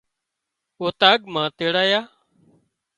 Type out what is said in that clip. اوطاق مان تيڙايا